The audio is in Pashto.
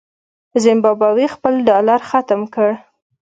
زمبابوې خپل ډالر ختم کړ.